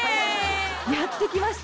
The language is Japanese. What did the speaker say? やって来ました